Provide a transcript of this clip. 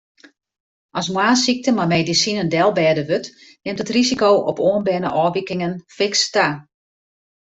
As moarnssykte mei medisinen delbêde wurdt, nimt it risiko op oanberne ôfwikingen fiks ta.